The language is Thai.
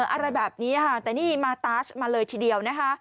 อะไรแบบนี้ค่ะแต่นี่มาตาสมาเลยทีเดียวนะคะ